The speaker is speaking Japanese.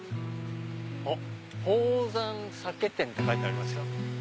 「鳳山酒店」って書いてありますよ。